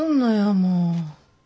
もう。